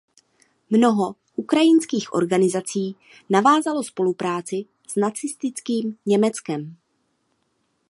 Mnoho ukrajinských organizací navázalo spolupráci s nacistickým Německem.